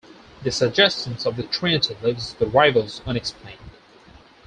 The suggestion of the Trinity leaves "the rivals" unexplained.